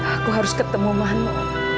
aku harus ketemu mano